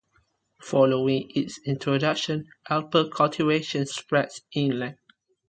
Following its introduction, apple cultivation spread inland.